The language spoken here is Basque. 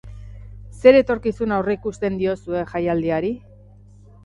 Zer etorkizun aurreikusten diozue jaialdiari?